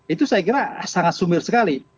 itu saya kira sangat sumir sekali